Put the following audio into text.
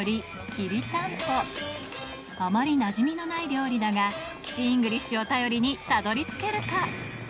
きりたんぽあまりなじみのない料理だが岸イングリッシュを頼りにたどり着けるか？